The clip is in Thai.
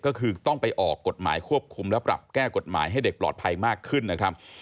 ก็คือต้องไปออกกฎหมายควบคุมและปรับแก้กฎหมายให้เด็กปลอดภัยมากขึ้นนะครับ